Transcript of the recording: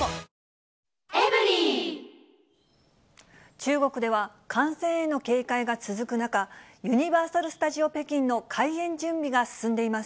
中国では、感染への警戒が続く中、ユニバーサル・スタジオ北京の開園準備が進んでいます。